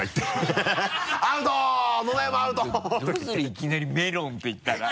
いきなり「メロン」って言ったら。